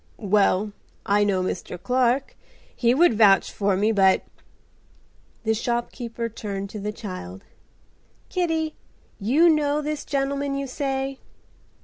"Well, I know Mr. Clark. He would vouch for me, but—." The shopkeeper turned to the child. "Kitty, you know this gentleman, you say?"